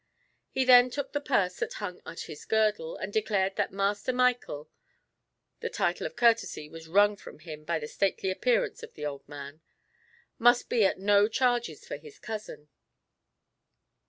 He then took the purse that hung at his girdle, and declared that Master Michael (the title of courtesy was wrung from him by the stately appearance of the old man) must be at no charges for his cousin.